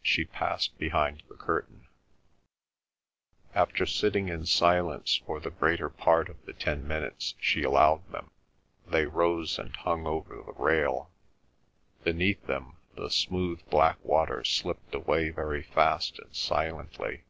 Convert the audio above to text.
She passed behind the curtain. After sitting in silence for the greater part of the ten minutes she allowed them, they rose and hung over the rail. Beneath them the smooth black water slipped away very fast and silently.